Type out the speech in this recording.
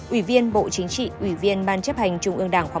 ủy viên bộ chính trị ủy viên ban chấp hành trung ương đảng khóa một mươi